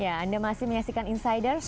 ya anda masih menyaksikan insiders